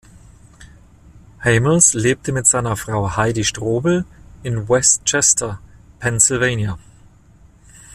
Hamels lebt mit seiner Frau Heidi Strobel in West Chester, Pennsylvania.